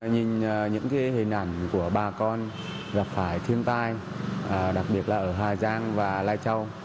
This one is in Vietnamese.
nhìn những hình ảnh của bà con gặp phải thiên tai đặc biệt là ở hà giang và lai châu